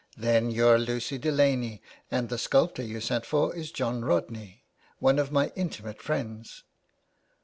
" Then you're Lucy Delaney, and the sculptor you sat for is John Rodney, one of my intimate friends."